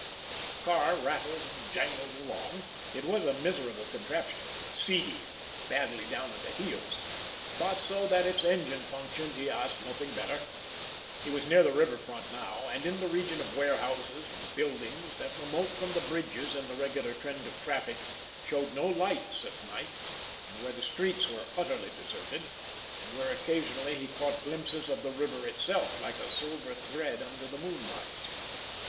The car rattled and jangled along. It was a miserable contraption, seedy, and badly down at the heels, but so that its engine functioned he asked nothing better. He was near the river front now, and in the region of warehouses and buildings that, remote from the bridges and the regular trend of traffic, showed no lights at night, and where the streets were utterly deserted, and where occasionally he caught glimpses of the river itself like a silver thread under the moonlight.